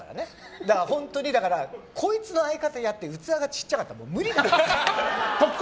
だから本当にこいつの相方やって器がちっちゃかったらもう無理。